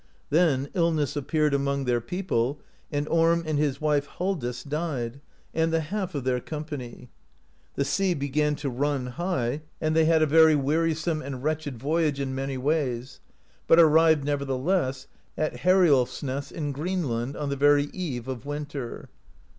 Then illness appeared among their people, and Orm and his wnfe Halldis died, and the half of their company. The sea b^;an to run high, and 35 AMERICA DISCOVERED BY NORSEMEN they had a very wearisome and wretched voyage in many ways, but arrived, nevertheless, at Heriolfsness in Green land, on the very eve of winter.